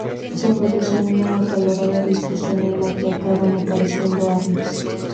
Se produce una acalorada discusión en la que acaban apareciendo armas.